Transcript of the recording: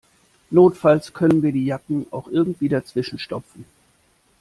Notfalls können wir die Jacken auch irgendwie dazwischen stopfen.